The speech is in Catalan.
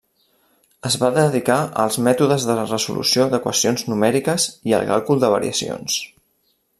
Es va dedicar als mètodes de resolució d'equacions numèriques i al càlcul de variacions.